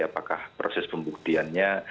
apakah proses pembuktiannya